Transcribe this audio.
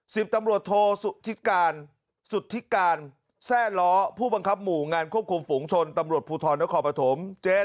สิบตำรวจโทสุธิการสุทธิการแทร่ล้อผู้บังคับหมู่งานควบคุมฝูงชนตำรวจภูทรนครปฐม